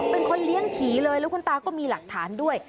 เป็นคนเลี้ยงผีเลยแล้วคุณตาก็มีหลักฐานด้วย